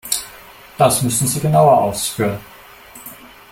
Das müssen Sie genauer ausführen.